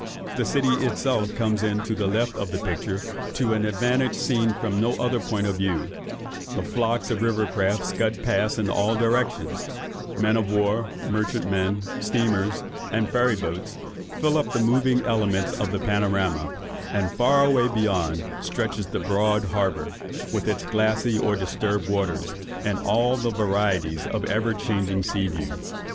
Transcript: The city itself comes into the left of the picture to an advantage seen from no other point of view, the flocks of river craft scud past in all directions, men of war, merchantmen, steamers, and ferry boats, fill up the moving elements of the panorama; and far away beyond stretches the broad harbour, with its glassy or disturbed waters, in all the varieties of ever changing sea view.